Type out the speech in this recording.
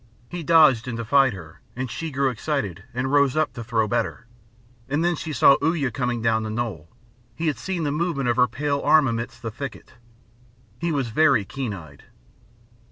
He dodged and defied her, and she grew excited and rose up to throw better, and then she saw Uya coming down the knoll. He had seen the movement of her pale arm amidst the thicket he was very keen eyed.